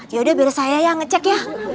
yaudah biar saya yang ngecek ya